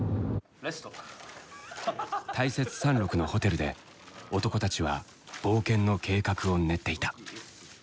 大雪山麓のホテルで男たちは冒険の計画を練っていた。